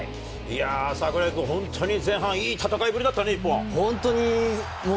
櫻井君、本当にいい戦いぶりだったね、日本。